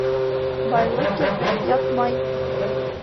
Байлыҡ ерҙә ятмай.